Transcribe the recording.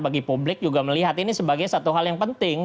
bagi publik juga melihat ini sebagai satu hal yang penting